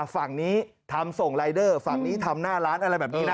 ฝั่งนี้ทำส่งรายเดอร์ฝั่งนี้ทำหน้าร้านอะไรแบบนี้นะ